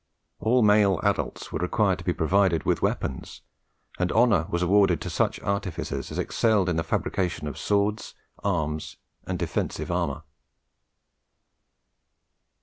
All male adults were required to be provided with weapons, and honour was awarded to such artificers as excelled in the fabrication of swords, arms, and defensive armour.